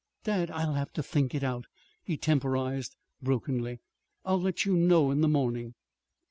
"Dad, I'll have to think it out," he temporized brokenly. "I'll let you know in the morning."